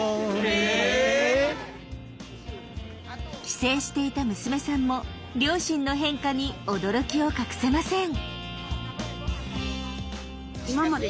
帰省していた娘さんも両親の変化に驚きを隠せません。